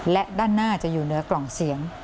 และด้านหน้าจะอยู่เหนือกล่องเสียง